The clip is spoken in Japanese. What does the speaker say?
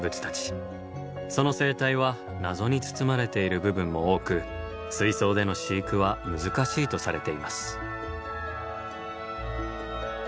その生態は謎に包まれている部分も多く水槽での飼育は難しいとされています。